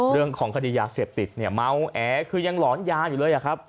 เรื่องของคดียาเสพติดเนี่ยเมาแอคือยังหลอนยาอยู่เลยอะครับ